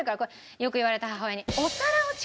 よく言われた母親に。